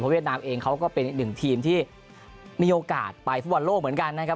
เวียดนามเองเขาก็เป็นอีกหนึ่งทีมที่มีโอกาสไปฟุตบอลโลกเหมือนกันนะครับ